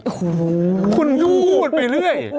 อื้อฮูฮู้คุณยูตไปด้วย